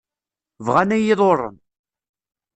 Bɣan ad iyi-ḍurren.